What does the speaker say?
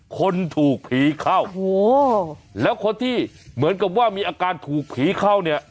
คนถูกผีเข้าโอ้โหแล้วคนที่เหมือนกับว่ามีอาการถูกผีเข้าเนี่ย